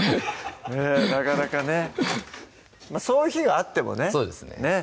なかなかねそういう日があってもねそうですね